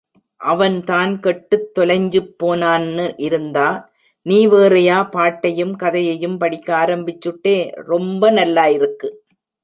அவன்தான் கெட்டுத் தொலைஞ்சுப் போனன்னு இருந்தா நீ வேறையா பாட்டையும் கதையையும் படிக்க ஆரம்பிச்சுட்டே, ரொம்ப நல்லாருக்கு!